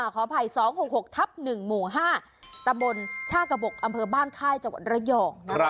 ขออภัย๒๖๖ทับ๑หมู่๕ตำบลช่ากระบกอำเภอบ้านค่ายจังหวัดระยอง